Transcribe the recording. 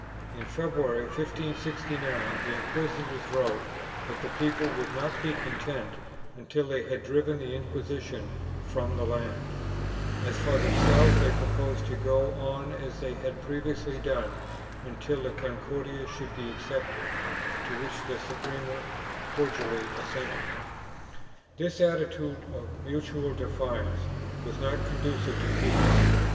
In Feb ruary, 1569, the inquisitors wrote that the people would not be content until they had driven the Inquisition from the land; as for themselves they proposed to go on as they had previously done until the Concordia should be accepted, to which the Suprema cordially assented.1 This attitude of mutual defiance was not conducive to peace.